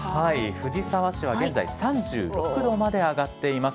藤沢市は現在、３６度まで上がっています。